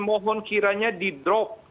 mohon kiranya di drop